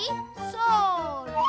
それ！